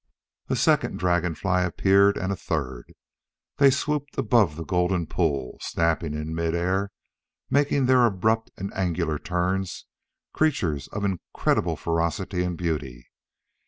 A second dragonfly appeared and a third. They swooped above the golden pool, snapping in mid air, making their abrupt and angular turns, creatures of incredible ferocity and beauty.